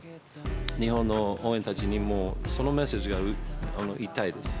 日本の応援たちにそのメッセージが言いたいです。